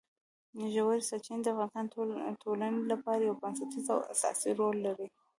ژورې سرچینې د افغانستان د ټولنې لپاره یو بنسټیز او اساسي رول لري.